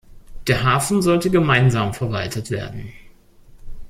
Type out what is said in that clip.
Der Hafen sollte gemeinsam verwaltet werden.